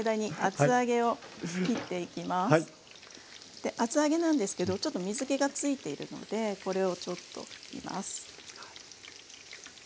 で厚揚げなんですけどちょっと水けがついているのでこれをちょっと拭きます。